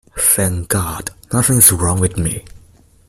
Thank god, nothing is wrong with me.